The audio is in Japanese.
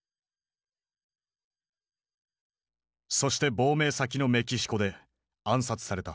そして亡命先のメキシコで暗殺された。